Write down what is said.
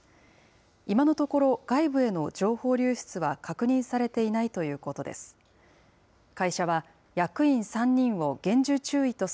今のところ、外部への情報流出は確認されていないということです。